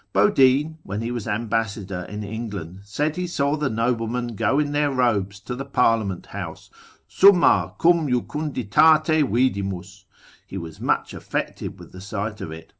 Bodine, when he was ambassador in England, said he saw the noblemen go in their robes to the parliament house, summa cum jucunditate vidimus, he was much affected with the sight of it.